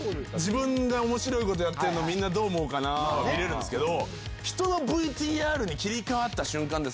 自分が面白いことやってるのどう思うかな？は見れるけど。